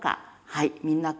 はい！